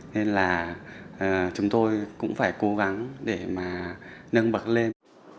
nên là chúng tôi cũng phải cố gắng để mà nâng bậc lên